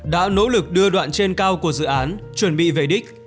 nếu lực đưa đoạn trên cao của dự án chuẩn bị về đích